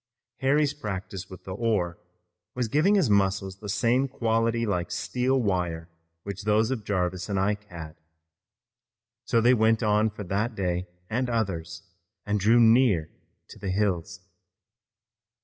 Harry's practice with the oar was giving his muscles the same quality like steel wire which those of Jarvis and Ike had. So they went on for that day and others and drew near to the hills.